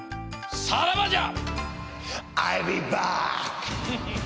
さらばじゃ！